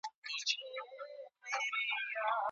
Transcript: ولي ځايي واردوونکي کیمیاوي سره له پاکستان څخه واردوي؟